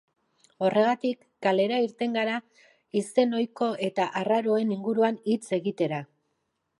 Horregatik, kalera irten gara izen ohiko eta arraroen inguruan hitz egitera.